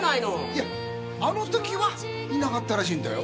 いやあの時はいなかったらしいんだよ